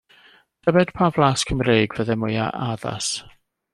Tybed pa flas Cymreig fyddai mwyaf addas?